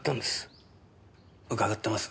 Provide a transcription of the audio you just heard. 伺ってます。